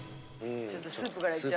ちょっとスープからいっちゃう？